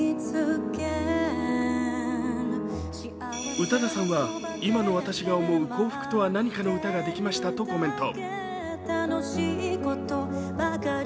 宇多田さんは、今の私が思う幸福とは何かの歌ができましたとコメント。